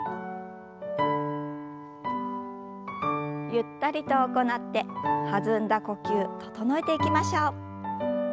ゆったりと行って弾んだ呼吸整えていきましょう。